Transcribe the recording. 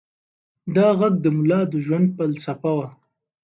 دا غږ د ملا د ژوند فلسفه وه.